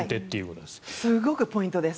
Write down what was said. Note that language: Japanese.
すごくポイントです。